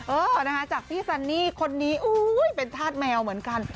เออนะคะจากพี่ซันนี่คนนี้เป็นธาตุแมวเหมือนกัน